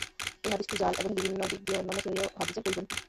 এই হাদীসটি জাল এবং বিভিন্ন দিক দিয়ে অন্যান্য সহীহ হাদীসের পরিপন্থী।